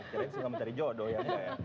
kira kira singa mencari jodoh ya